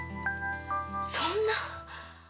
そんな。